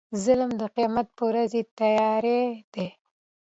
ظلم د قيامت په ورځ تيارې دي